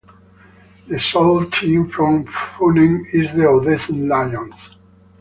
The sole team from Funen is the Odense Lions.